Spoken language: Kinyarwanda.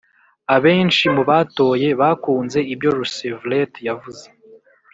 [abenshi mu batoye bakunze ibyo roosevelt yavuze.